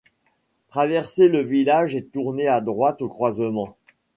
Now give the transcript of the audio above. Traverser le village et tourner à droite au croisement.